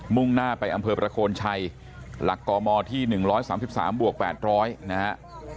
่งหน้าไปอำเภอประโคนชัยหลักกมที่๑๓๓บวก๘๐๐นะฮะ